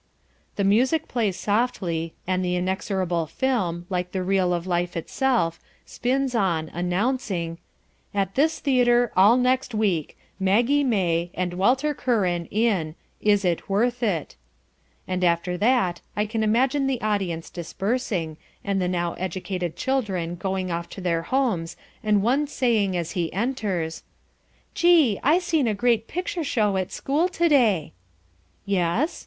The music plays softly and the inexorable film, like the reel of life itself, spins on, announcing At this theatre All next week MAGGIE MAY and WALTER CURRAN in IS IT WORTH IT And after that I can imagine the audience dispersing, and the now educated children going off to their homes and one saying as he enters "Gee, I seen a great picture show at school to day." "Yes?"